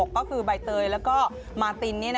ก็คือใบเตยและมาติน